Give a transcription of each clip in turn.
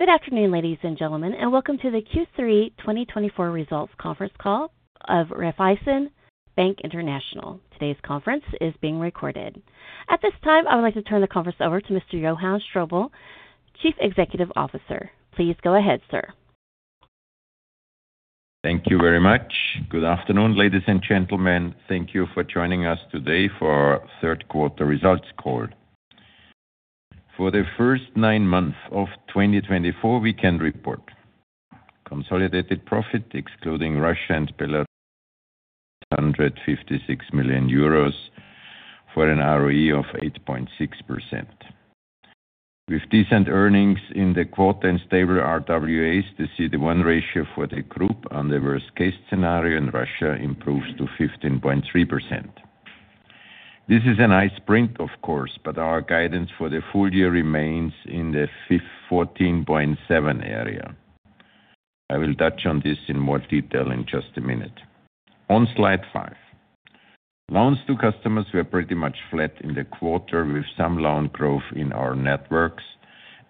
Good afternoon, ladies and gentlemen, and welcome to the Q3 2024 results conference call of Raiffeisen Bank International. Today's conference is being recorded. At this time, I would like to turn the conference over to Mr. Johann Strobl, Chief Executive Officer. Please go ahead, sir. Thank you very much. Good afternoon, ladies and gentlemen. Thank you for joining us today for the third quarter results call. For the first nine months of 2024, we can report consolidated profit, excluding Russia and Belarus, €156 million for an ROE of 8.6%. With decent earnings in the quarter and stable RWAs, the CET1 ratio for the group under worst-case scenario in Russia improves to 15.3%. This is a nice sprint, of course, but our guidance for the full year remains in the 14.7% area. I will touch on this in more detail in just a minute. On slide five, loans to customers were pretty much flat in the quarter, with some loan growth in our networks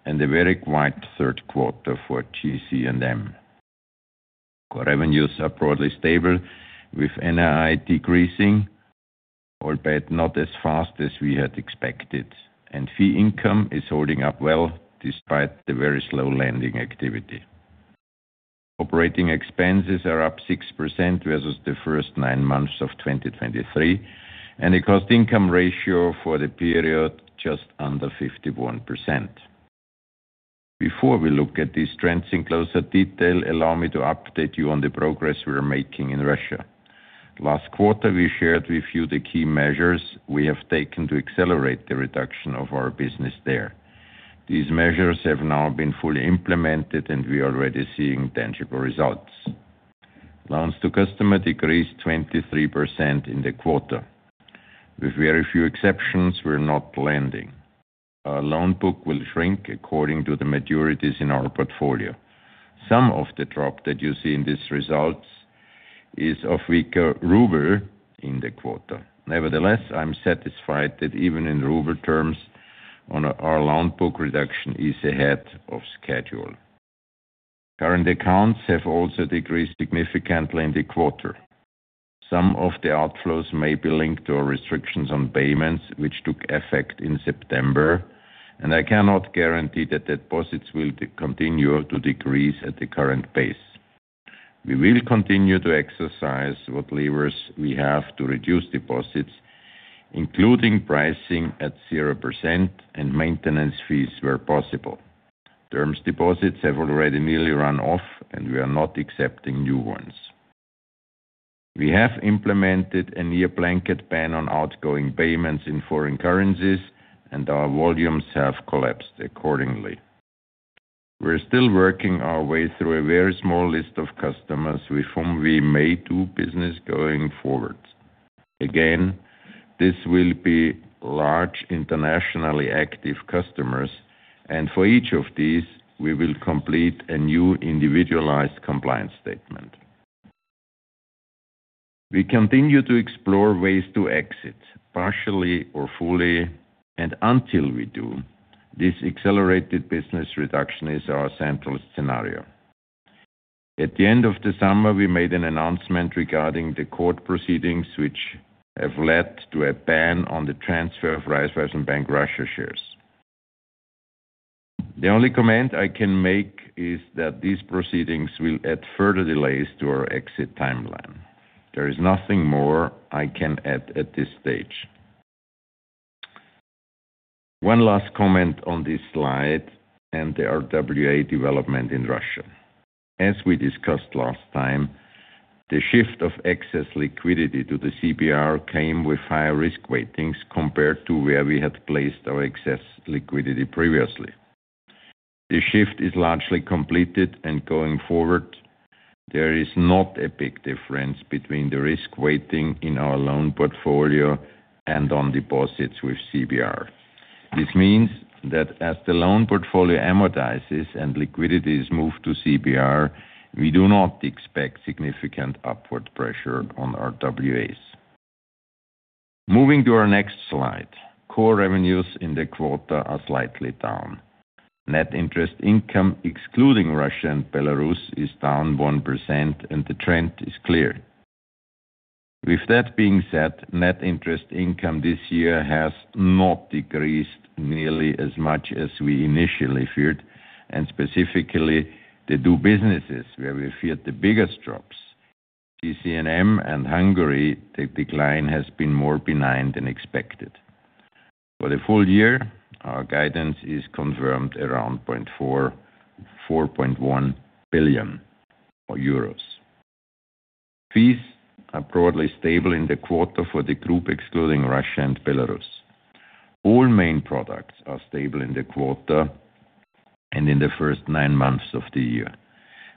and a very quiet third quarter for GC&M. Core revenues are broadly stable, with NII decreasing, albeit not as fast as we had expected, and fee income is holding up well despite the very slow lending activity. Operating expenses are up 6% versus the first nine months of 2023, and the cost-income ratio for the period is just under 51%. Before we look at these trends in closer detail, allow me to update you on the progress we are making in Russia. Last quarter, we shared with you the key measures we have taken to accelerate the reduction of our business there. These measures have now been fully implemented, and we are already seeing tangible results. Loans to customers decreased 23% in the quarter. With very few exceptions, we're not lending. Our loan book will shrink according to the maturities in our portfolio. Some of the drop that you see in these results is of weaker ruble in the quarter. Nevertheless, I'm satisfied that even in ruble terms, our loan book reduction is ahead of schedule. Current accounts have also decreased significantly in the quarter. Some of the outflows may be linked to our restrictions on payments, which took effect in September, and I cannot guarantee that deposits will continue to decrease at the current pace. We will continue to exercise what levers we have to reduce deposits, including pricing at 0% and maintenance fees where possible. Term deposits have already nearly run off, and we are not accepting new ones. We have implemented a near blanket ban on outgoing payments in foreign currencies, and our volumes have collapsed accordingly. We're still working our way through a very small list of customers with whom we may do business going forward. Again, this will be large internationally active customers, and for each of these, we will complete a new individualized compliance statement. We continue to explore ways to exit, partially or fully, and until we do, this accelerated business reduction is our central scenario. At the end of the summer, we made an announcement regarding the court proceedings, which have led to a ban on the transfer of Raiffeisen Bank Russia shares. The only comment I can make is that these proceedings will add further delays to our exit timeline. There is nothing more I can add at this stage. One last comment on this slide and the RWA development in Russia. As we discussed last time, the shift of excess liquidity to the CBR came with higher risk weightings compared to where we had placed our excess liquidity previously. The shift is largely completed, and going forward, there is not a big difference between the risk weighting in our loan portfolio and on deposits with CBR. This means that as the loan portfolio amortizes and liquidity is moved to CBR, we do not expect significant upward pressure on our RWAs. Moving to our next slide, core revenues in the quarter are slightly down. Net interest income, excluding Russia and Belarus, is down 1%, and the trend is clear. With that being said, net interest income this year has not decreased nearly as much as we initially feared, and specifically the two businesses where we feared the biggest drops, GC&M and Hungary, the decline has been more benign than expected. For the full year, our guidance is confirmed around 4.1 billion or euros. Fees are broadly stable in the quarter for the group, excluding Russia and Belarus. All main products are stable in the quarter and in the first nine months of the year.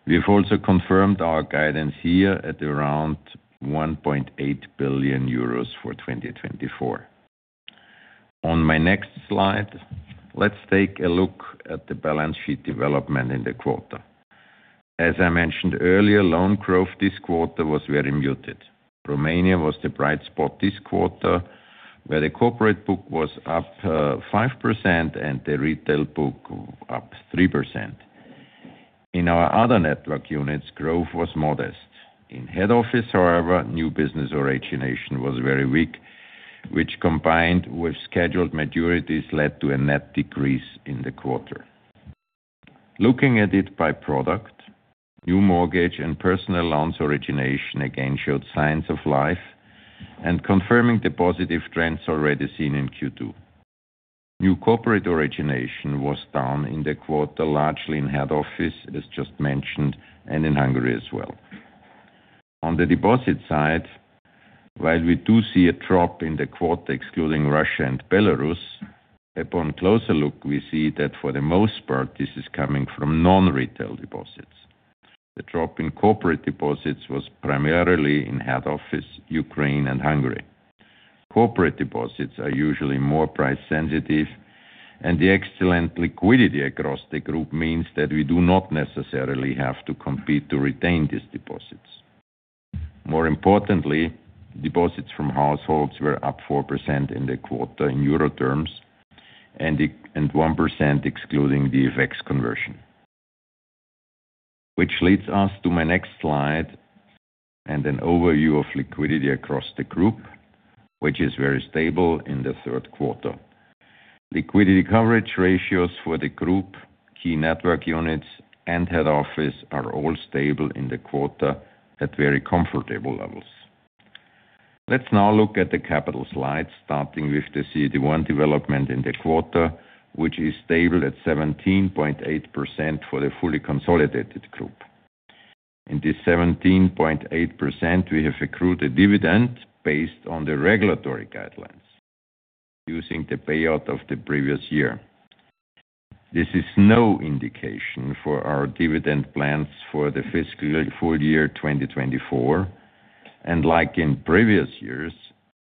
We've also confirmed our guidance here at around €1.8 billion for 2024. On my next slide, let's take a look at the balance sheet development in the quarter. As I mentioned earlier, loan growth this quarter was very muted. Romania was the bright spot this quarter, where the corporate book was up 5% and the retail book up 3%. In our other network units, growth was modest. In head office, however, new business origination was very weak, which combined with scheduled maturities led to a net decrease in the quarter. Looking at it by product, new mortgage and personal loans origination again showed signs of life and confirming the positive trends already seen in Q2. New corporate origination was down in the quarter, largely in head office, as just mentioned, and in Hungary as well. On the deposit side, while we do see a drop in the quarter, excluding Russia and Belarus, upon closer look, we see that for the most part, this is coming from non-retail deposits. The drop in corporate deposits was primarily in head office, Ukraine, and Hungary. Corporate deposits are usually more price-sensitive, and the excellent liquidity across the group means that we do not necessarily have to compete to retain these deposits. More importantly, deposits from households were up 4% in the quarter in euro terms and 1%, excluding the FX conversion. Which leads us to my next slide and an overview of liquidity across the group, which is very stable in the third quarter. Liquidity coverage ratios for the group, key network units, and head office are all stable in the quarter at very comfortable levels. Let's now look at the capital slide, starting with the CET1 development in the quarter, which is stable at 17.8% for the fully consolidated group. In this 17.8%, we have accrued a dividend based on the regulatory guidelines, using the payout of the previous year. This is no indication for our dividend plans for the fiscal full year 2024, and like in previous years,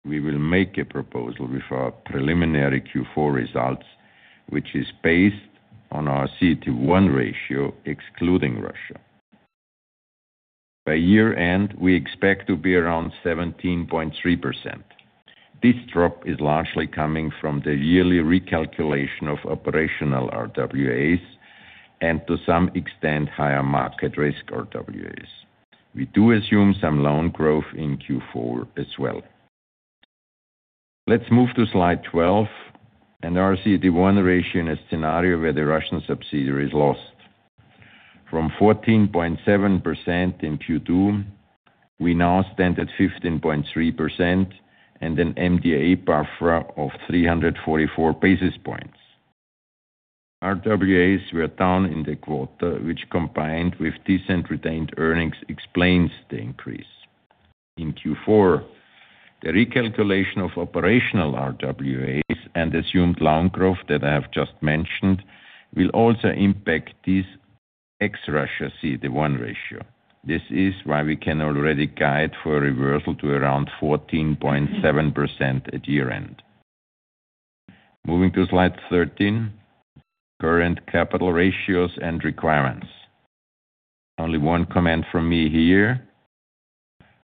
we will make a proposal with our preliminary Q4 results, which is based on our CET1 ratio, excluding Russia. By year-end, we expect to be around 17.3%. This drop is largely coming from the yearly recalculation of operational RWAs and, to some extent, higher market risk RWAs. We do assume some loan growth in Q4 as well. Let's move to slide 12, a CET1 ratio in a scenario where the Russian subsidiary is lost. From 14.7% in Q2, we now stand at 15.3% and an MDA buffer of 344 basis points. RWAs were down in the quarter, which, combined with decent retained earnings, explains the increase. In Q4, the recalculation of operational RWAs and assumed loan growth that I have just mentioned will also impact this ex-Russia CET1 ratio. This is why we can already guide for a reversal to around 14.7% at year-end. Moving to slide 13, current capital ratios and requirements. Only one comment from me here.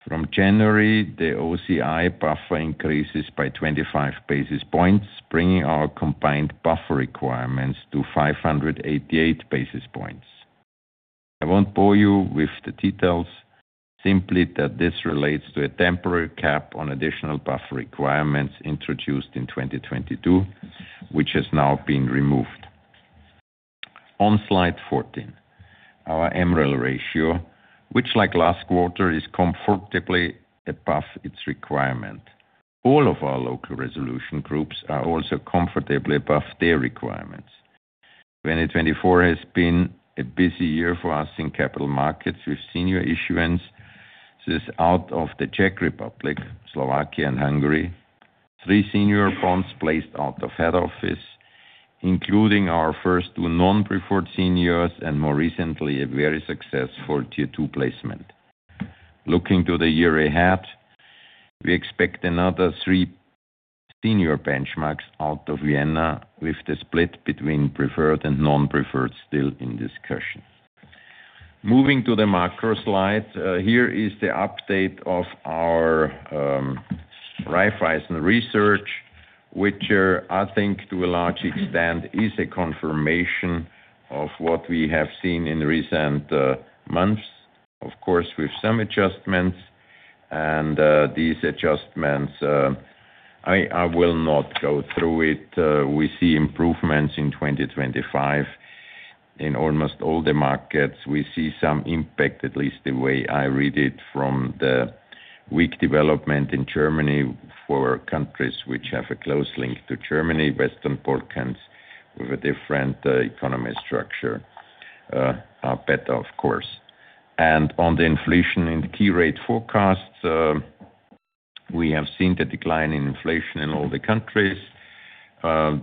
From January, the OCI buffer increases by 25 basis points, bringing our combined buffer requirements to 588 basis points. I won't bore you with the details, simply that this relates to a temporary cap on additional buffer requirements introduced in 2022, which has now been removed. On slide 14, our MREL ratio, which, like last quarter, is comfortably above its requirement. All of our local resolution groups are also comfortably above their requirements. 2024 has been a busy year for us in capital markets with senior issuance. This is out of the Czech Republic, Slovakia, and Hungary. Three senior bonds placed out of head office, including our first two non-preferred seniors and, more recently, a very successful Tier 2 placement. Looking to the year ahead, we expect another three senior benchmarks out of Vienna, with the split between preferred and non-preferred still in discussion. Moving to the macro slide, here is the update of our Raiffeisen Research, which, I think, to a large extent, is a confirmation of what we have seen in recent months, of course, with some adjustments. These adjustments, I will not go through it. We see improvements in 2025 in almost all the markets. We see some impact, at least the way I read it, from the weak development in Germany for countries which have a close link to Germany, Western Balkans, with a different economy structure, our better, of course, and on the inflation and key rate forecasts, we have seen the decline in inflation in all the countries.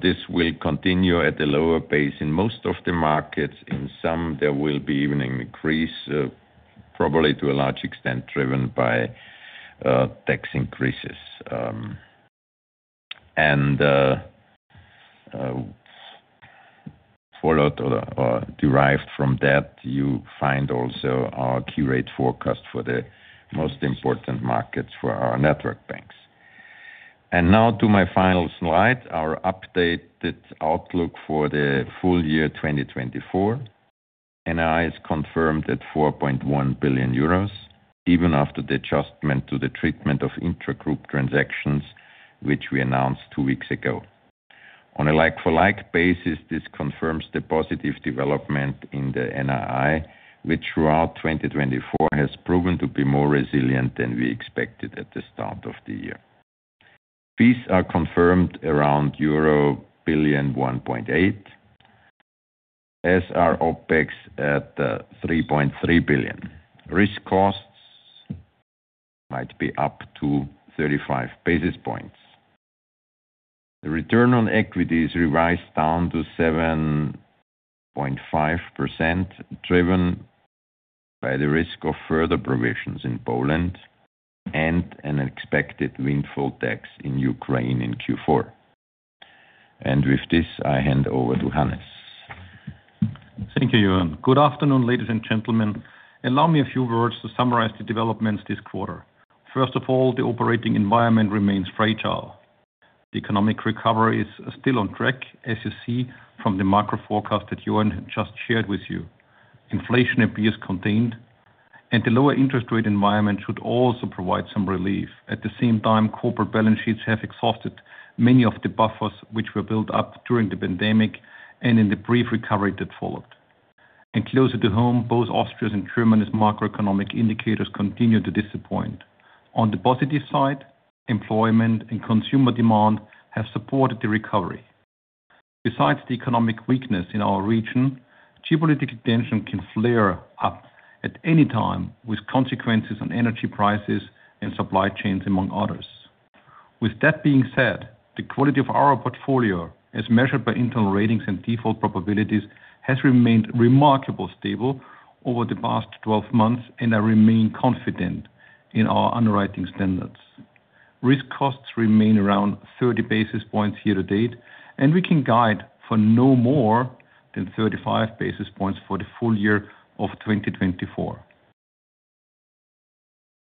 This will continue at a lower pace in most of the markets. In some, there will be even an increase, probably to a large extent driven by tax increases, and followed or derived from that, you find also our key rate forecast for the most important markets for our network banks, and now to my final slide, our updated outlook for the full year 2024. NII is confirmed at 4.1 billion euros, even after the adjustment to the treatment of intra-group transactions, which we announced two weeks ago. On a like-for-like basis, this confirms the positive development in the NII, which throughout 2024 has proven to be more resilient than we expected at the start of the year. Fees are confirmed around euro 1.1 billion, as are OPEX at 3.3 billion. Risk costs might be up to 35 basis points. The return on equity revised down to 7.5%, driven by the risk of further provisions in Poland and an expected windfall tax in Ukraine in Q4. And with this, I hand over to Hannes. Thank you, Johann. Good afternoon, ladies and gentlemen. Allow me a few words to summarize the developments this quarter. First of all, the operating environment remains fragile. The economic recovery is still on track, as you see from the macro forecast that Johann just shared with you. Inflation appears contained, and the lower interest rate environment should also provide some relief. At the same time, corporate balance sheets have exhausted many of the buffers which were built up during the pandemic and in the brief recovery that followed, and closer to home, both Austria's and Germany's macroeconomic indicators continue to disappoint. On the positive side, employment and consumer demand have supported the recovery. Besides the economic weakness in our region, geopolitical tension can flare up at any time, with consequences on energy prices and supply chains, among others. With that being said, the quality of our portfolio, as measured by internal ratings and default probabilities, has remained remarkably stable over the past 12 months, and I remain confident in our underwriting standards. Risk costs remain around 30 basis points year-to-date, and we can guide for no more than 35 basis points for the full year of 2024.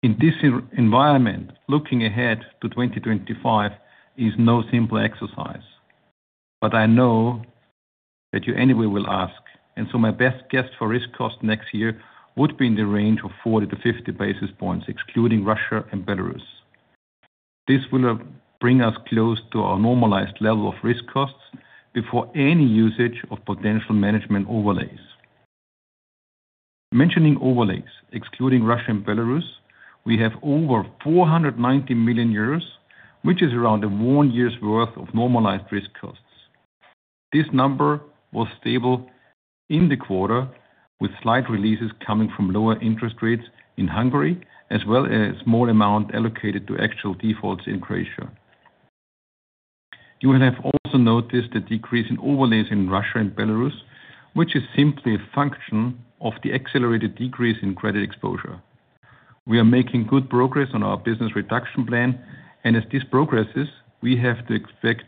In this environment, looking ahead to 2025 is no simple exercise, but I know that you anyway will ask, and so my best guess for risk costs next year would be in the range of 40 to 50 basis points, excluding Russia and Belarus. This will bring us close to our normalized level of risk costs before any usage of potential management overlays. Mentioning overlays, excluding Russia and Belarus, we have over 490 million euros, which is around a one-year's worth of normalized risk costs. This number was stable in the quarter, with slight releases coming from lower interest rates in Hungary, as well as a small amount allocated to actual defaults in Croatia. You will have also noticed the decrease in overlays in Russia and Belarus, which is simply a function of the accelerated decrease in credit exposure. We are making good progress on our business reduction plan, and as this progresses, we have to expect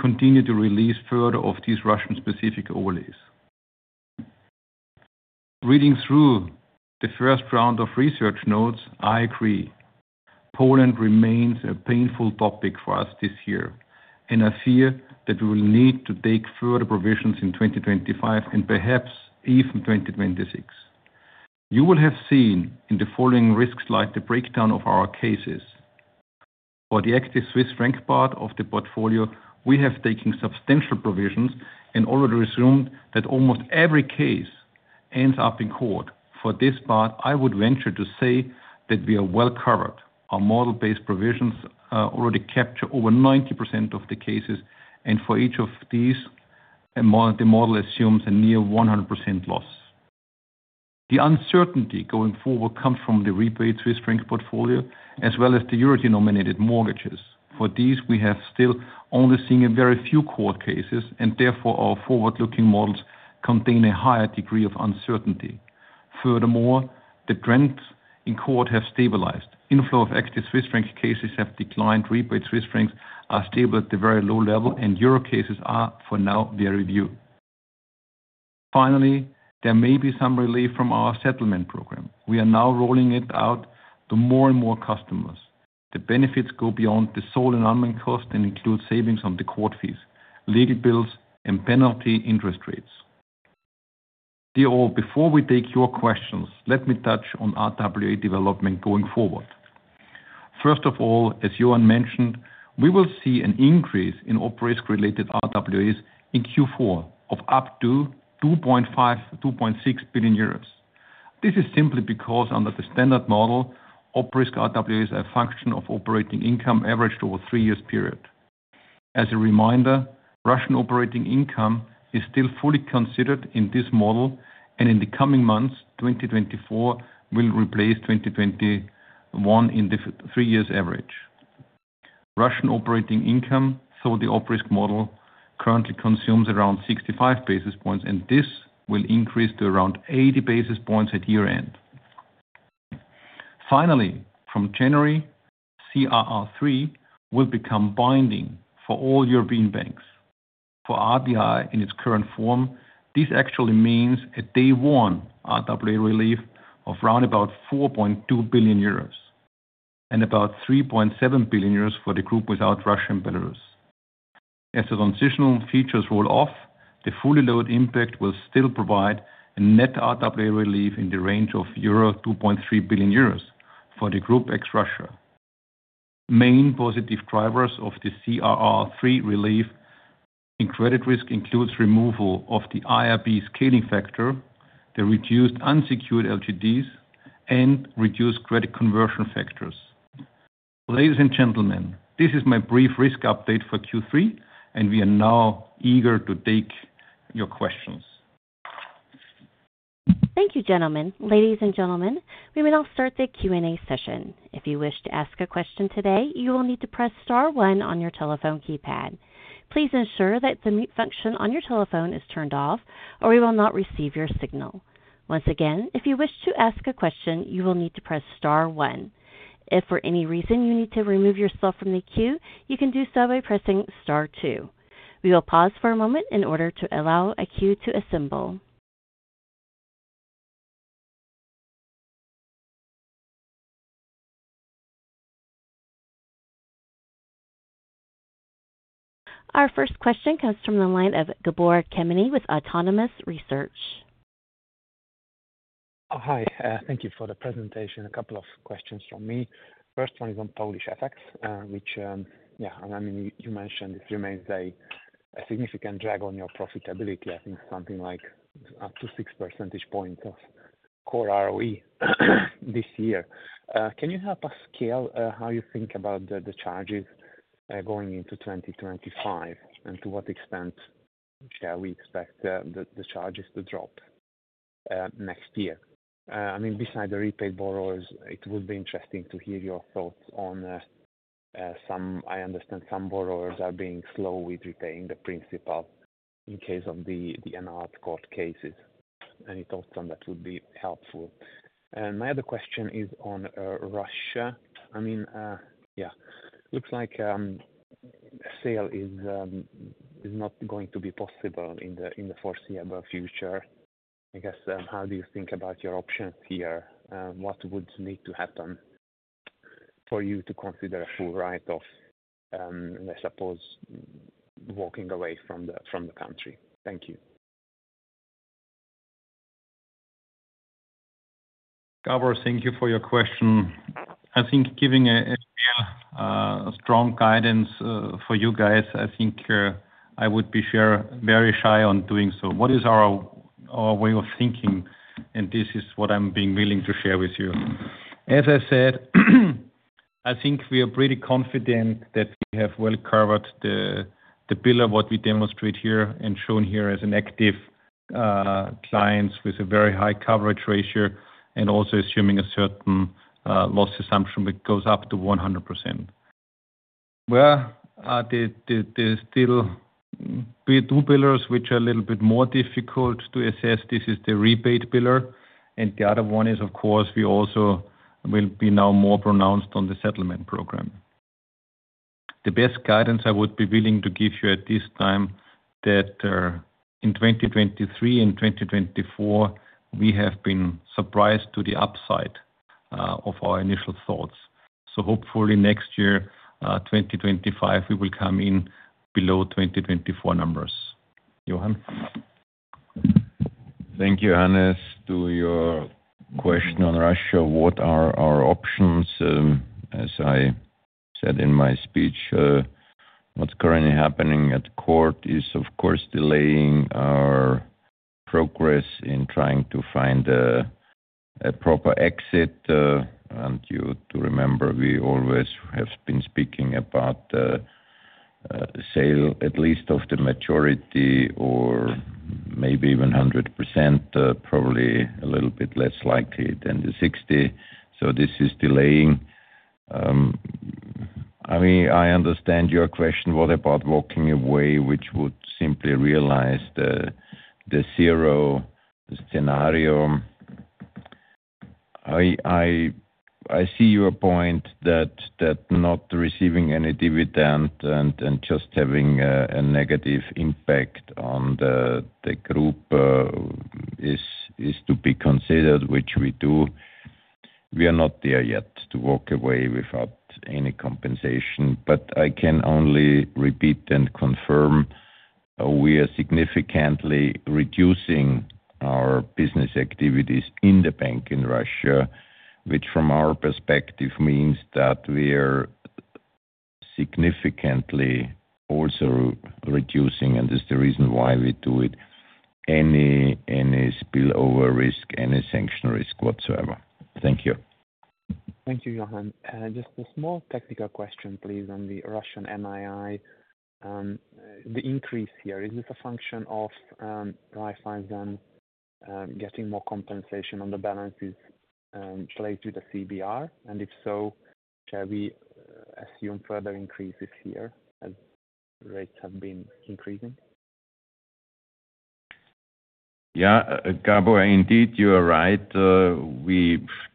continued release further of these Russian-specific overlays. Reading through the first round of research notes, I agree. Poland remains a painful topic for us this year, and I fear that we will need to take further provisions in 2025 and perhaps even 2026. You will have seen in the following risk slide the breakdown of our cases. For the active Swiss Franc part of the portfolio, we have taken substantial provisions and already assumed that almost every case ends up in court. For this part, I would venture to say that we are well covered. Our model-based provisions already capture over 90% of the cases, and for each of these, the model assumes a near 100% loss. The uncertainty going forward comes from the repaid Swiss Franc portfolio, as well as the euro-denominated mortgages. For these, we have still only seen very few court cases, and therefore our forward-looking models contain a higher degree of uncertainty. Furthermore, the trends in court have stabilized. Inflow of active Swiss Franc cases have declined. Rebate Swiss Francs are stable at the very low level, and euro cases are for now very few. Finally, there may be some relief from our settlement program. We are now rolling it out to more and more customers. The benefits go beyond the sole annulment cost and include savings on the court fees, legal bills, and penalty interest rates. Before we take your questions, let me touch on RWA development going forward. First of all, as Johann mentioned, we will see an increase in operational risk-weighted assets in Q4 of up to 2.6 billion euros. This is simply because, under the standard model, operational risk-weighted assets are a function of operating income averaged over a three-year period. As a reminder, Russian operating income is still fully considered in this model, and in the coming months, 2024 will replace 2021 in the three-year average. Russian operating income, through the operational model, currently consumes around 65 basis points, and this will increase to around 80 basis points at year-end. Finally, from January, CRR3 will become binding for all European banks. For RBI in its current form, this actually means a day-one RWA relief of around about 4.2 billion euros and about 3.7 billion euros for the group without Russia and Belarus. As the transitional features roll off, the fully loaded impact will still provide a net RWA relief in the range of 2.3 billion euros for the group ex-Russia. Main positive drivers of the CRR3 relief in credit risk include removal of the IRB scaling factor, the reduced unsecured LGDs, and reduced credit conversion factors. Ladies and gentlemen, this is my brief risk update for Q3, and we are now eager to take your questions. Thank you, gentlemen. Ladies and gentlemen, we may now start the Q&A session. If you wish to ask a question today, you will need to press star one on your telephone keypad. Please ensure that the mute function on your telephone is turned off, or we will not receive your signal. Once again, if you wish to ask a question, you will need to press star one. If for any reason you need to remove yourself from the queue, you can do so by pressing star two. We will pause for a moment in order to allow a queue to assemble. Our first question comes from the line of Gabor Kemeny with Autonomous Research. Hi. Thank you for the presentation. A couple of questions from me. First one is on Polish FX, which, yeah, I mean, you mentioned it remains a significant drag on your profitability. I think something like up to six percentage points of core ROE this year. Can you help us scale how you think about the charges going into 2025, and to what extent shall we expect the charges to drop next year? I mean, besides the repaid borrowers, it would be interesting to hear your thoughts on some. I understand some borrowers are being slow with repaying the principal in case of the annulled court cases, and you thought that would be helpful. My other question is on Russia. I mean, yeah, looks like sale is not going to be possible in the foreseeable future. I guess, how do you think about your options here? What would need to happen for you to consider a full right of, I suppose, walking away from the country? Thank you. Gabor, thank you for your question. I think giving a strong guidance for you guys, I think I would be very shy on doing so. What is our way of thinking, and this is what I'm being willing to share with you. As I said, I think we are pretty confident that we have well covered the pillar, what we demonstrate here and shown here as an active client with a very high coverage ratio, and also assuming a certain loss assumption which goes up to 100%. There are still two pillars which are a little bit more difficult to assess. This is the repaid pillar, and the other one is, of course, we also will be now more pronounced on the settlement program. The best guidance I would be willing to give you at this time is that in 2023 and 2024, we have been surprised to the upside of our initial thoughts. Hopefully next year, 2025, we will come in below 2024 numbers. Johann. Thank you, Hannes. To your question on Russia, what are our options? As I said in my speech, what's currently happening at court is, of course, delaying our progress in trying to find a proper exit. And you need to remember, we always have been speaking about a sale, at least of the majority or maybe even 100%, probably a little bit less likely than the 60. So this is delaying. I mean, I understand your question. What about walking away, which would simply realize the zero scenario? I see your point that not receiving any dividend and just having a negative impact on the group is to be considered, which we do. We are not there yet to walk away without any compensation, but I can only repeat and confirm we are significantly reducing our business activities in the bank in Russia, which from our perspective means that we are significantly also reducing, and this is the reason why we do it, any spillover risk, any sanction risk whatsoever. Thank you. Thank you, Johann. Just a small technical question, please, on the Russian NII. The increase here, is this a function of Raiffeisen getting more compensation on the balances related to the CBR? And if so, shall we assume further increases here as rates have been increasing? Yeah, Gabor, indeed, you are right.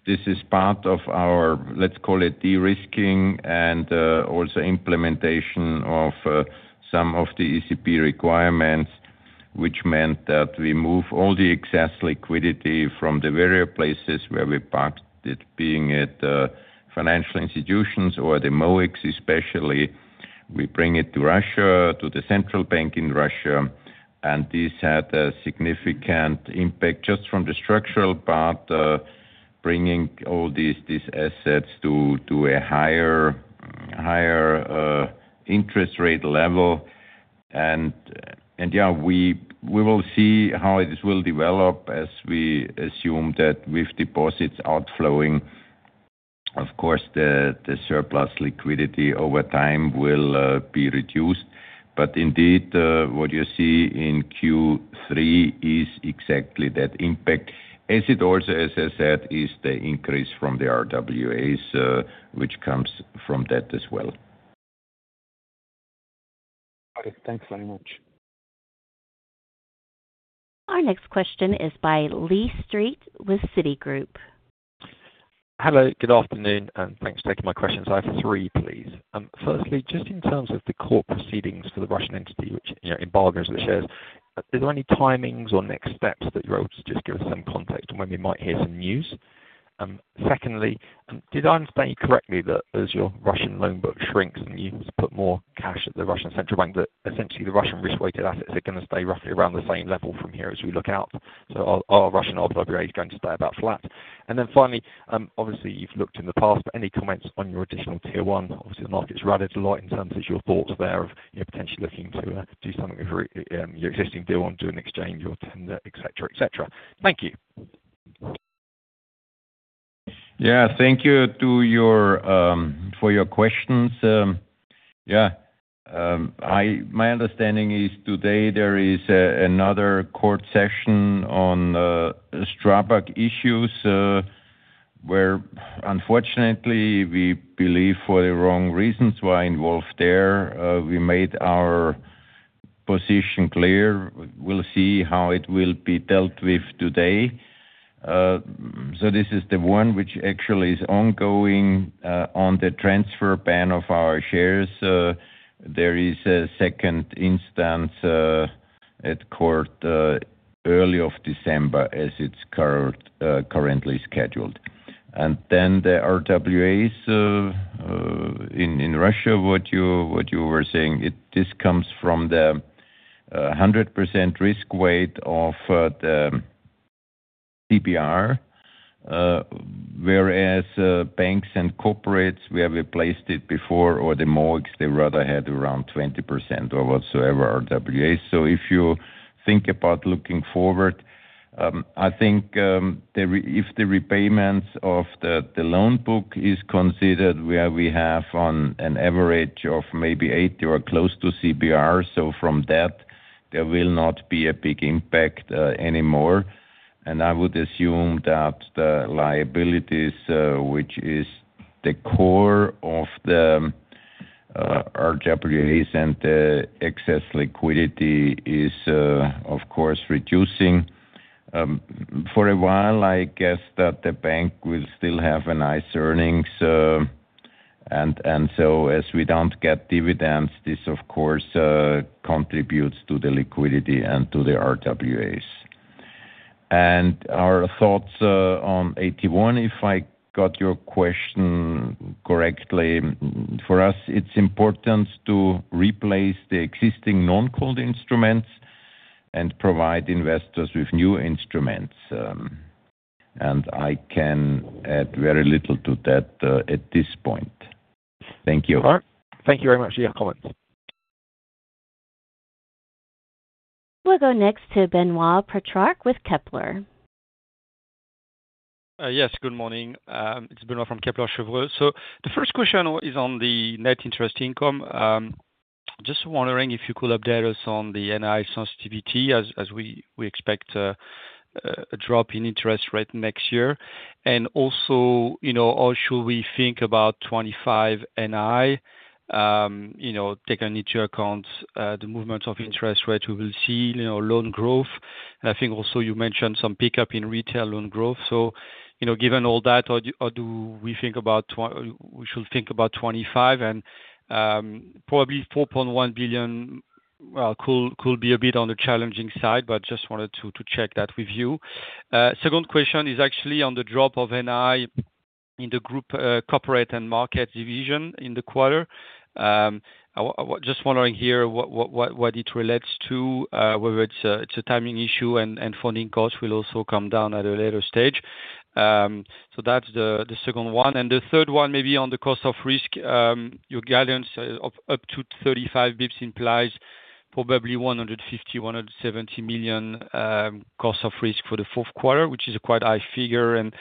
This is part of our, let's call it, de-risking and also implementation of some of the ECB requirements, which meant that we move all the excess liquidity from the various places where we parked it, being at financial institutions or at the MOEX especially. We bring it to Russia, to the central bank in Russia, and this had a significant impact just from the structural part, bringing all these assets to a higher interest rate level, and yeah, we will see how this will develop as we assume that with deposits outflowing, of course, the surplus liquidity over time will be reduced, but indeed, what you see in Q3 is exactly that impact, as it also, as I said, is the increase from the RWAs, which comes from that as well. Okay, thanks very much. Our next question is by Lee Street with Citigroup. Hello, good afternoon, and thanks for taking my questions. I have three, please. Firstly, just in terms of the court proceedings for the Russian entity, which embargoed the shares, is there any timeline or next steps that you're able to just give us some context on when we might hear some news? Secondly, did I understand you correctly that as your Russian loan book shrinks and you put more cash at the Russian central bank, that essentially the Russian risk-weighted assets are going to stay roughly around the same level from here as we look out? So are Russian RWAs going to stay about flat? And then finally, obviously, you've looked in the past, but any comments on your additional tier one? Obviously, the market's reacted a lot in terms of your thoughts there of potentially looking to do something with your existing deal on doing exchange or tender, etc., etc. Thank you. Yeah, thank you for your questions. Yeah, my understanding is today there is another court session on Strabag issues where, unfortunately, we believe for the wrong reasons were involved there. We made our position clear. We'll see how it will be dealt with today. So this is the one which actually is ongoing on the transfer ban of our shares. There is a second instance at court early December as it's currently scheduled. And then the RWAs in Russia, what you were saying, this comes from the 100% risk weight of the CBR, whereas banks and corporates where we placed it before or the MOEX, they rather had around 20% or whatsoever RWAs. So if you think about looking forward, I think if the repayments of the loan book is considered where we have on an average of maybe 80 or close to CBR, so from that, there will not be a big impact anymore. And I would assume that the liabilities, which is the core of the RWAs and the excess liquidity, is of course reducing. For a while, I guess that the bank will still have nice earnings. And so as we don't get dividends, this, of course, contributes to the liquidity and to the RWAs. And our thoughts on AT1, if I got your question correctly, for us, it's important to replace the existing non-call instruments and provide investors with new instruments. And I can add very little to that at this point. Thank you. Thank you very much for your comments. We'll go next to Benoit Pétrarque with Kepler Cheuvreux. Yes, good morning. It's Benoit from Kepler Cheuvreux. So the first question is on the net interest income. Just wondering if you could update us on the NI sensitivity as we expect a drop in interest rate next year. And also, how should we think about 2025 NI? Taking into account the movement of interest rate, we will see loan growth. And I think also you mentioned some pickup in retail loan growth. So given all that, how should we think about 2025 and probably 4.1 billion could be a bit on the challenging side, but just wanted to check that with you. Second question is actually on the drop of NI in the Group Corporates and Markets division in the quarter. Just wondering here what it relates to, whether it's a timing issue and funding costs will also come down at a later stage. So that's the second one. And the third one, maybe on the cost of risk, your guidance up to 35 basis points implies probably 150-170 million cost of risk for the fourth quarter, which is a quite high figure. And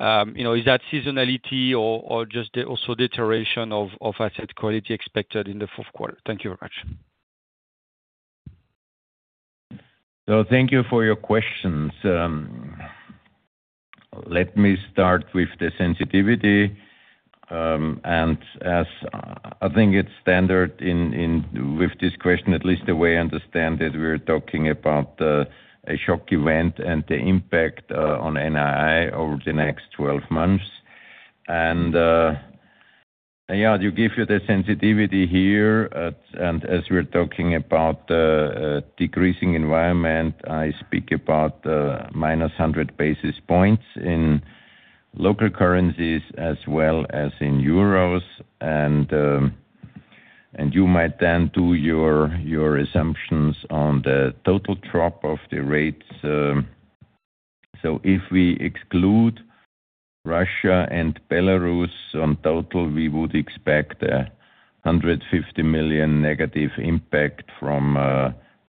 is that seasonality or just also deterioration of asset quality expected in the fourth quarter? Thank you very much. So thank you for your questions. Let me start with the sensitivity. And as I think it's standard with this question, at least the way I understand it, we're talking about a shock event and the impact on NII over the next 12 months. Yeah, to give you the sensitivity here and as we're talking about a decreasing environment, I speak about minus 100 basis points in local currencies as well as in euros. You might then do your assumptions on the total drop of the rates. If we exclude Russia and Belarus on total, we would expect a 150 million negative impact from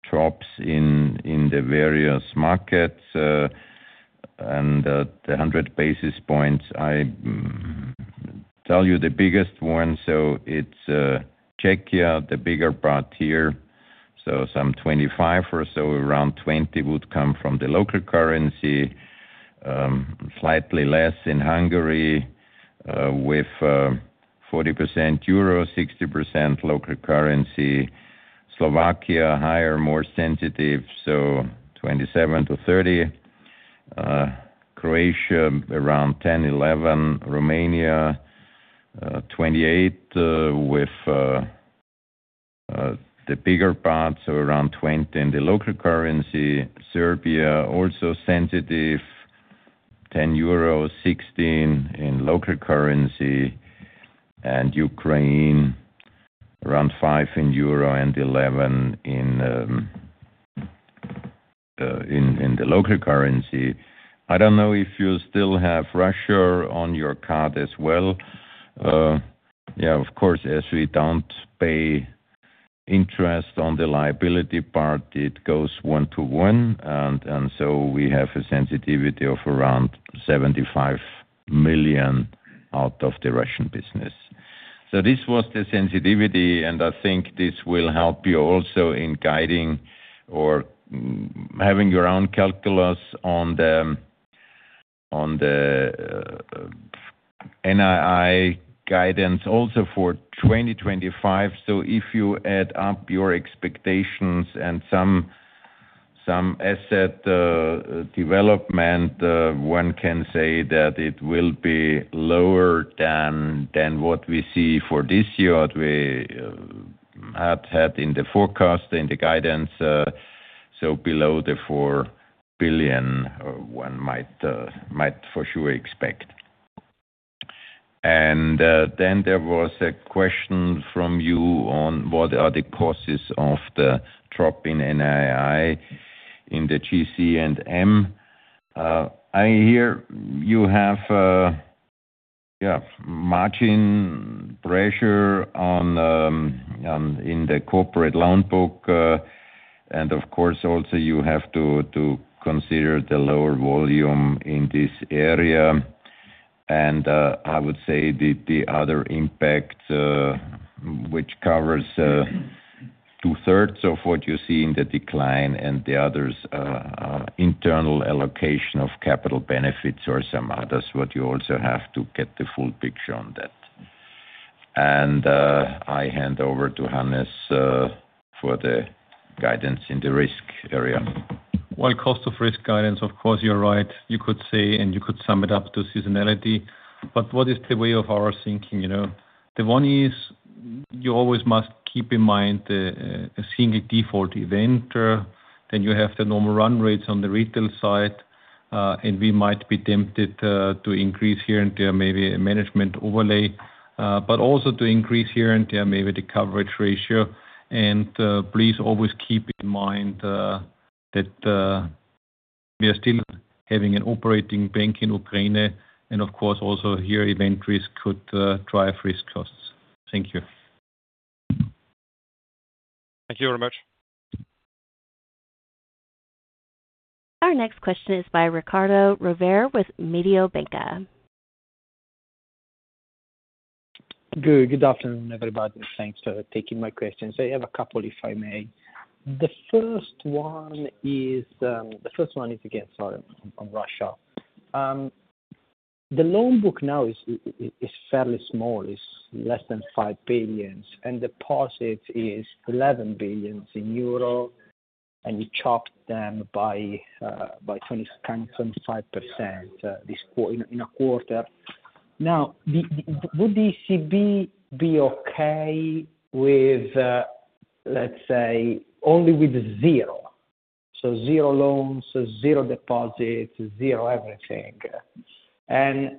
drops in the various markets. The 100 basis points, I tell you the biggest one, so it's Czechia, the bigger part here. Some 25 or so, around 20 would come from the local currency. Slightly less in Hungary with 40% euro, 60% local currency. Slovakia, higher, more sensitive, so 27 to 30. Croatia, around 10-11. Romania, 28 with the bigger parts, so around 20 in the local currency. Serbia, also sensitive, 10 euro, 16 in local currency. And Ukraine, around 5 in euro and 11 in the local currency. I don't know if you still have Russia on your card as well. Yeah, of course, as we don't pay interest on the liability part, it goes one to one. And so we have a sensitivity of around 75 million out of the Russian business. So this was the sensitivity, and I think this will help you also in guiding or having your own calculus on the NII guidance also for 2025. So if you add up your expectations and some asset development, one can say that it will be lower than what we see for this year that we had had in the forecast, in the guidance, so below the 4 billion one might for sure expect. And then there was a question from you on what are the causes of the drop in NII in the GC&M. I hear you have, yeah, margin pressure in the corporate loan book. And of course, also you have to consider the lower volume in this area. And I would say the other impact, which covers two-thirds of what you see in the decline and the others, internal allocation of capital benefits or some others, what you also have to get the full picture on that. And I hand over to Hannes for the guidance in the risk area. Well, cost of risk guidance, of course, you're right. You could say, and you could sum it up to seasonality. But what is the way of our thinking? The one is you always must keep in mind a single default event. Then you have the normal run rates on the retail side, and we might be tempted to increase here and there maybe a management overlay, but also to increase here and there maybe the coverage ratio. And please always keep in mind that we are still having an operating bank in Ukraine. And of course, also here event risk could drive risk costs. Thank you. Thank you very much. Our next question is by Riccardo Rovere with Mediobanca. Good afternoon, everybody. Thanks for taking my questions. I have a couple if I may. The first one is again, sorry, on Russia. The loan book now is fairly small, is less than 5 billion, and the positive is 11 billion euro, and you chopped them by 25% in a quarter. Now, would the ECB be okay with, let's say, only with zero? So zero loans, zero deposits, zero everything. And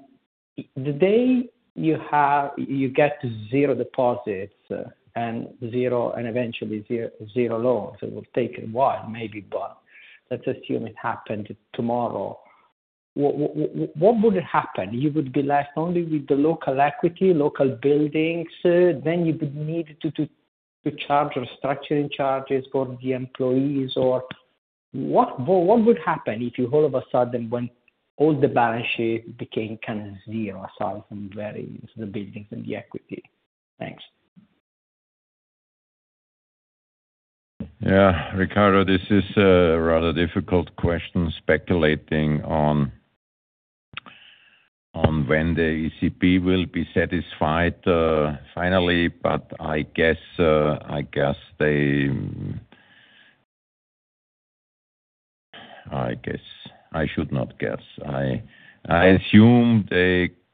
the day you get zero deposits and zero and eventually zero loans, it will take a while maybe, but let's assume it happened tomorrow. What would happen? You would be left only with the local equity, local buildings. Then you would need to charge restructuring charges for the employees. What would happen if you all of a sudden when all the balance sheet became kind of zero aside from the buildings and the equity? Thanks. Yeah, Ricardo, this is a rather difficult question speculating on when the ECB will be satisfied finally, but I guess I should not guess. I assume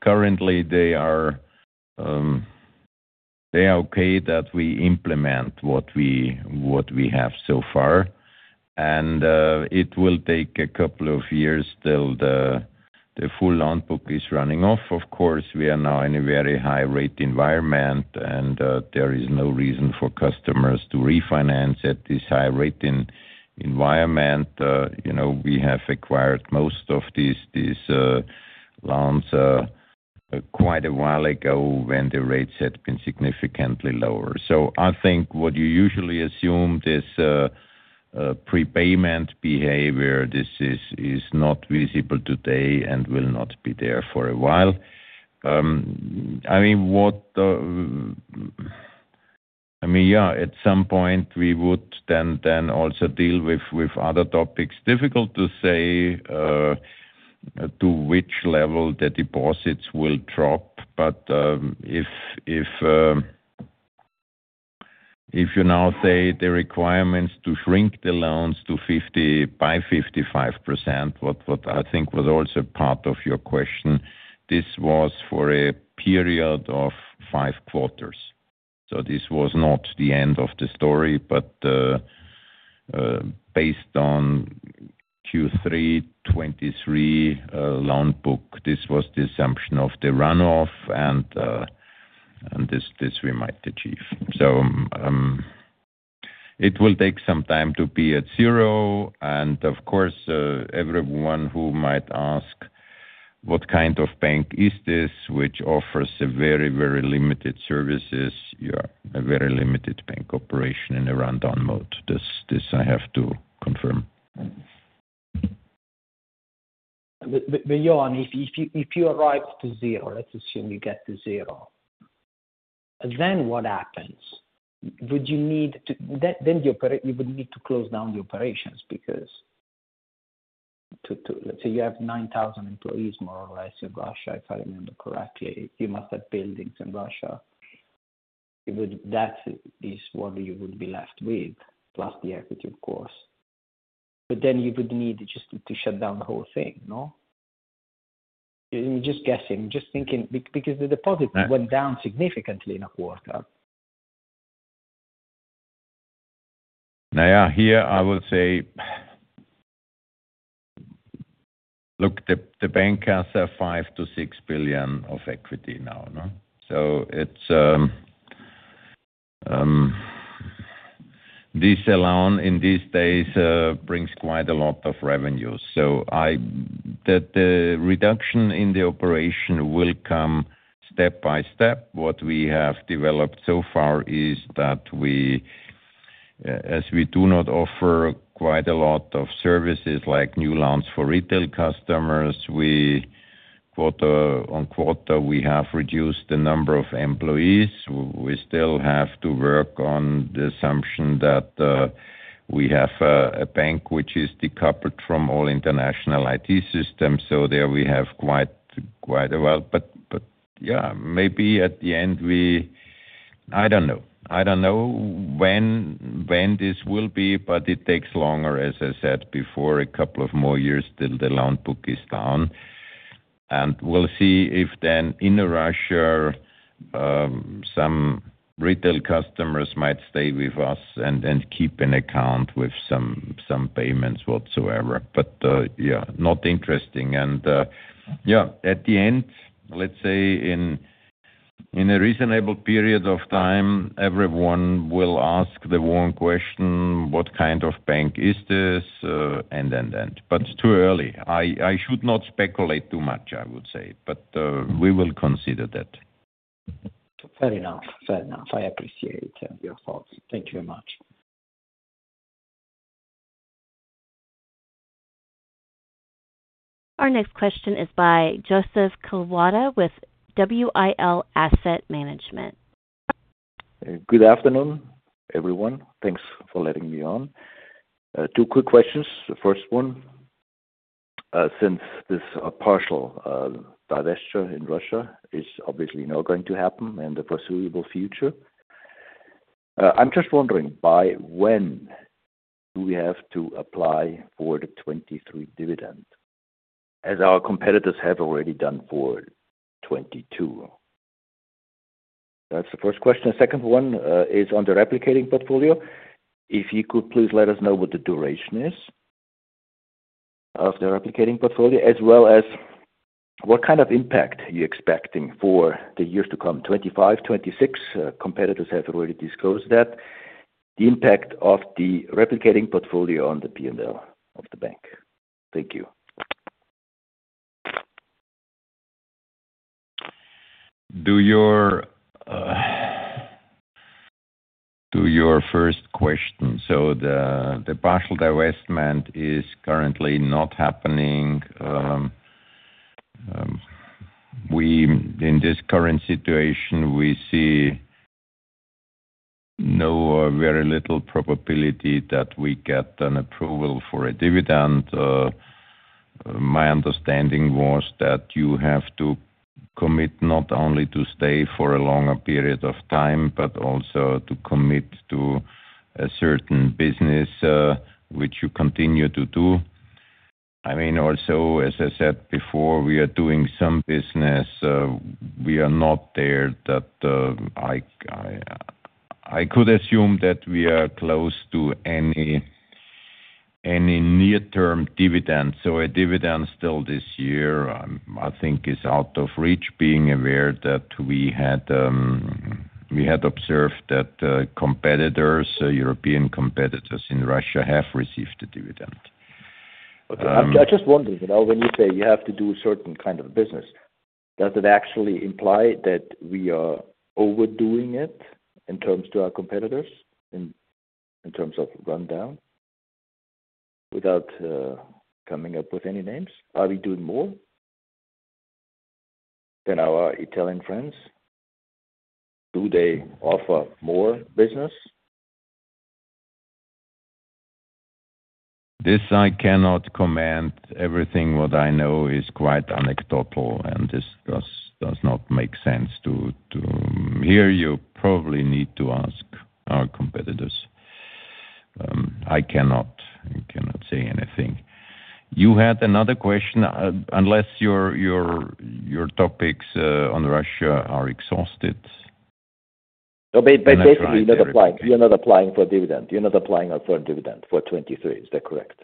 currently they are okay that we implement what we have so far. And it will take a couple of years till the full loan book is running off. Of course, we are now in a very high-rate environment, and there is no reason for customers to refinance at this high-rate environment. We have acquired most of these loans quite a while ago when the rates had been significantly lower. So I think what you usually assume this prepayment behavior, this is not visible today and will not be there for a while. I mean, yeah, at some point we would then also deal with other topics. Difficult to say to which level the deposits will drop, but if you now say the requirements to shrink the loans by 55%, what I think was also part of your question, this was for a period of five quarters. So this was not the end of the story, but based on Q3 2023 loan book, this was the assumption of the runoff, and this we might achieve. So it will take some time to be at zero. And of course, everyone who might ask what kind of bank is this, which offers very, very limited services, a very limited bank operation in a rundown mode. This I have to confirm. Beyond, if you arrived to zero, let's assume you get to zero, then what happens? Would you need to then you would need to close down the operations because let's say you have 9,000 employees more or less in Russia, if I remember correctly. You must have buildings in Russia. That is what you would be left with, plus the equity, of course. But then you would need just to shut down the whole thing, no? I'm just guessing, just thinking because the deposits went down significantly in a quarter. Now, yeah, here I would say, look, the bank has 5-6 billion of equity now, no? So this alone in these days brings quite a lot of revenue. So the reduction in the operation will come step by step. What we have developed so far is that as we do not offer quite a lot of services like new loans for retail customers, in one quarter we have reduced the number of employees. We still have to work on the assumption that we have a bank which is decoupled from all international IT systems. So there we have quite a while. But yeah, maybe at the end, I don't know. I don't know when this will be, but it takes longer, as I said, before a couple of more years till the loan book is down. We'll see if then in Russia some retail customers might stay with us and keep an account with some payments whatsoever. But yeah, not interesting. Yeah, at the end, let's say in a reasonable period of time, everyone will ask the wrong question, what kind of bank is this? And then that. But too early. I should not speculate too much, I would say, but we will consider that. Fair enough. Fair enough. I appreciate your thoughts. Thank you very much. Our next question is by Josef Kalwoda with WIL Asset Management. Good afternoon, everyone. Thanks for letting me on. Two quick questions. The first one, since this partial divestiture in Russia is obviously not going to happen in the foreseeable future, I'm just wondering by when do we have to apply for the 2023 dividend as our competitors have already done for 2022? That's the first question. The second one is on the replicating portfolio. If you could please let us know what the duration is of the replicating portfolio, as well as what kind of impact you're expecting for the years to come, 2025, 2026? Competitors have already disclosed that. The impact of the replicating portfolio on the P&L of the bank? Thank you. Do your first question. So the partial divestment is currently not happening. In this current situation, we see no or very little probability that we get an approval for a dividend. My understanding was that you have to commit not only to stay for a longer period of time, but also to commit to a certain business which you continue to do. I mean, also, as I said before, we are doing some business. We are not there that I could assume that we are close to any near-term dividend. So a dividend still this year, I think, is out of reach, being aware that we had observed that competitors, European competitors in Russia, have received a dividend. I just wondered, when you say you have to do a certain kind of business, does it actually imply that we are overdoing it in terms to our competitors in terms of rundown without coming up with any names? Are we doing more than our Italian friends? Do they offer more business? This I cannot comment. Everything what I know is quite anecdotal, and this does not make sense to hear. You probably need to ask our competitors. I cannot say anything. You had another question, unless your topics on Russia are exhausted. No, basically, you're not applying for a dividend. You're not applying for a dividend for 2023. Is that correct?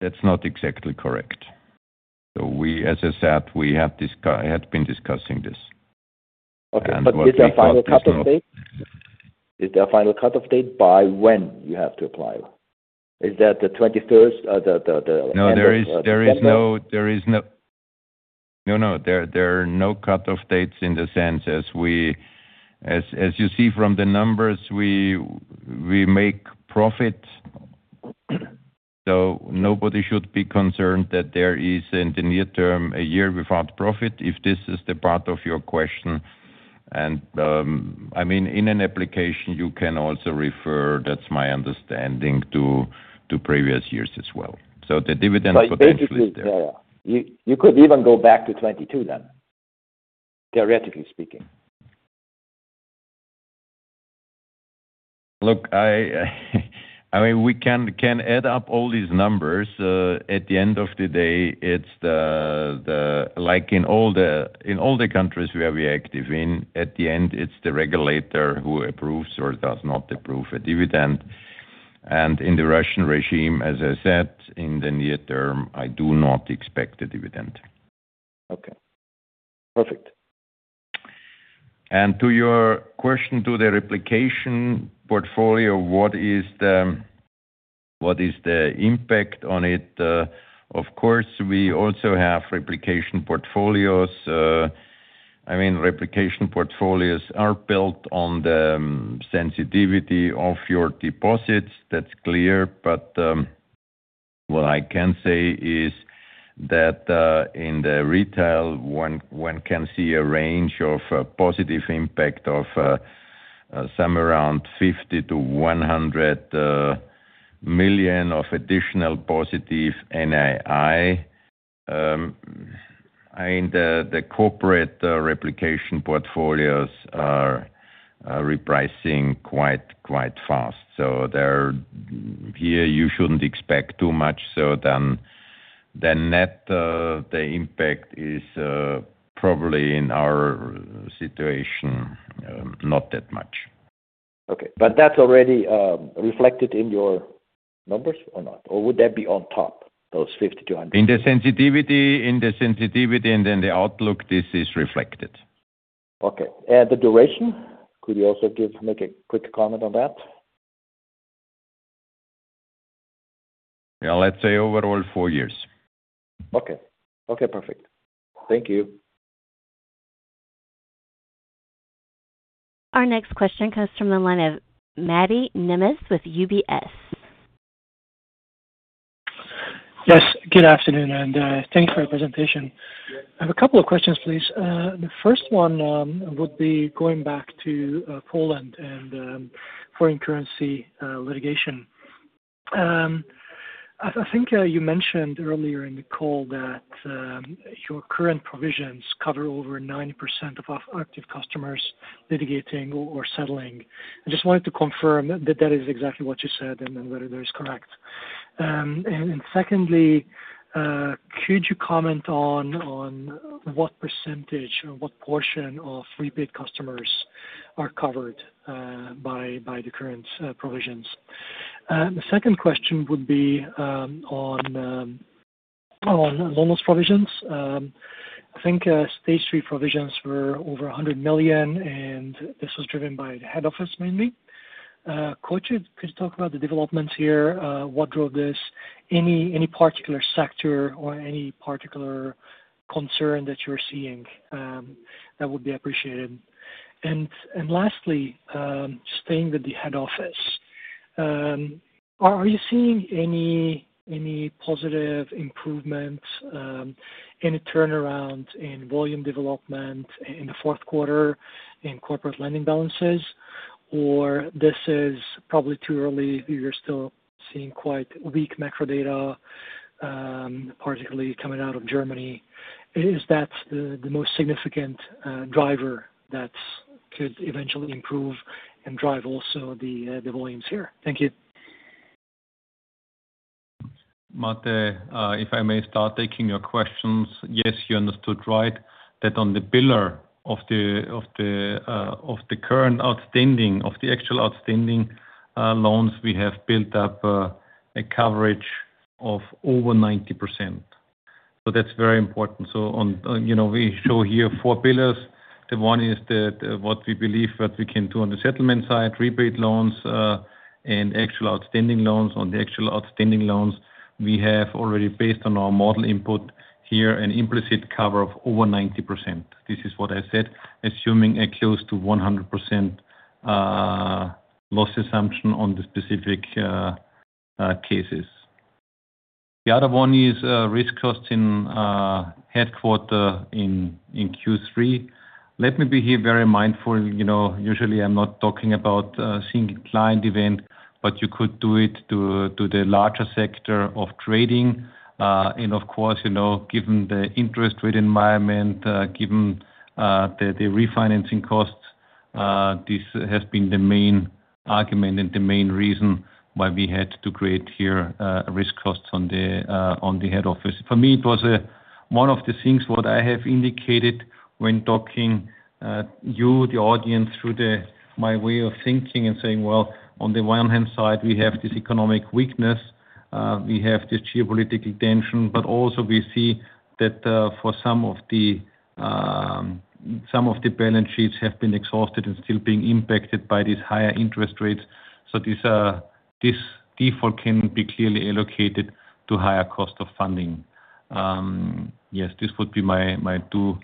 That's not exactly correct. As I said, we had been discussing this. Okay. Is there a final cut-off date? Is there a final cut-off date by when you have to apply? Is that the 23rd? No, there is no cut-off date in the sense, as you see from the numbers, we make profit, so nobody should be concerned that there is, in the near term, a year without profit if this is the part of your question, and I mean, in an application, you can also refer, that's my understanding, to previous years as well. So the dividend potentially is there. Yeah, yeah. You could even go back to 2022 then, theoretically speaking. Look, I mean, we can add up all these numbers. At the end of the day, it's like in all the countries where we're active in, at the end, it's the regulator who approves or does not approve a dividend. And in the Russian regime, as I said, in the near term, I do not expect a dividend. Okay. Perfect. And to your question to the replication portfolio, what is the impact on it? Of course, we also have replication portfolios. I mean, replication portfolios are built on the sensitivity of your deposits. That's clear. But what I can say is that in the retail, one can see a range of positive impact of somewhere around 50-100 million of additional positive NII. I mean, the corporate replication portfolios are repricing quite fast. So here, you shouldn't expect too much. So then net the impact is probably in our situation, not that much. Okay. But that's already reflected in your numbers or not? Or would that be on top, those 50 to 100? In the sensitivity, and then the outlook, this is reflected. Okay. And the duration? Could you also make a quick comment on that? Yeah, let's say overall four years. Okay. Okay. Perfect. Thank you. Our next question comes from the line of Mate Nemes with UBS. Yes. Good afternoon, and thanks for your presentation. I have a couple of questions, please. The first one would be going back to Poland and foreign currency litigation. I think you mentioned earlier in the call that your current provisions cover over 90% of our active customers litigating or settling. I just wanted to confirm that that is exactly what you said and whether that is correct. Secondly, could you comment on what percentage or what portion of repaid customers are covered by the current provisions? The second question would be on loan loss provisions. I think Stage 3 provisions were over 100 million, and this was driven by the head office mainly. Could you talk about the developments here? What drove this? Any particular sector or any particular concern that you're seeing? That would be appreciated. Lastly, staying with the head office, are you seeing any positive improvements, any turnaround in volume development in the fourth quarter in corporate lending balances? Or this is probably too early? You're still seeing quite weak macro data, particularly coming out of Germany. Is that the most significant driver that could eventually improve and drive also the volumes here? Thank you. Mate, if I may start taking your questions, yes, you understood right that on the pillar of the current outstanding of the actual outstanding loans, we have built up a coverage of over 90%. So that's very important. So we show here four pillars. The one is what we believe that we can do on the settlement side, repaid loans and actual outstanding loans. On the actual outstanding loans, we have already, based on our model input here, an implicit cover of over 90%. This is what I said, assuming a close to 100% loss assumption on the specific cases. The other one is risk costs in headquarters in Q3. Let me be here very mindful. Usually, I'm not talking about a single client event, but you could do it to the larger sector of trading. And of course, given the interest rate environment, given the refinancing costs, this has been the main argument and the main reason why we had to create here risk costs on the head office. For me, it was one of the things what I have indicated when talking to you, the audience, through my way of thinking and saying, "Well, on the one hand side, we have this economic weakness. We have this geopolitical tension, but also we see that for some of the balance sheets have been exhausted and still being impacted by these higher interest rates. So this default can be clearly allocated to higher cost of funding." Yes, this would be my two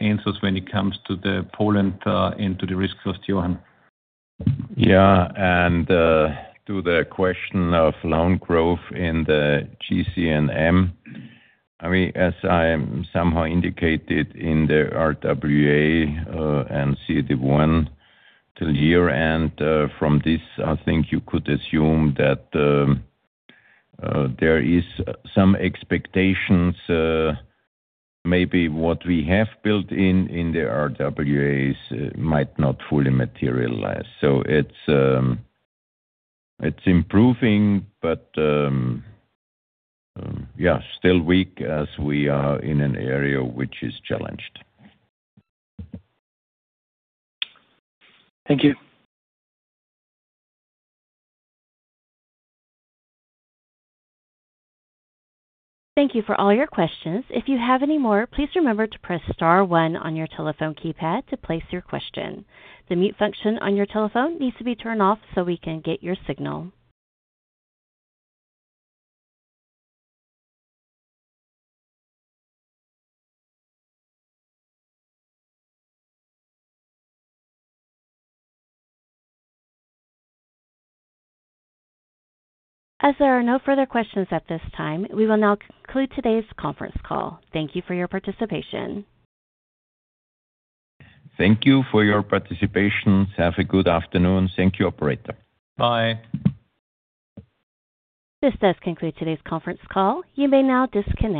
answers when it comes to the Poland and to the risk cost, Johann. Yeah. To the question of loan growth in the GC and M, I mean, as I somehow indicated in the RWA and CET1 till year end, from this, I think you could assume that there are some expectations. Maybe what we have built in the RWAs might not fully materialize. So it's improving, but yeah, still weak as we are in an area which is challenged. Thank you. Thank you for all your questions. If you have any more, please remember to press star one on your telephone keypad to place your question. The mute function on your telephone needs to be turned off so we can get your signal. As there are no further questions at this time, we will now conclude today's conference call. Thank you for your participation. Thank you for your participation. Have a good afternoon. Thank you, operator. Bye. This does conclude today's conference call. You may now disconnect.